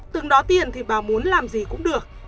từng đó tiền thì bà muốn làm gì cũng được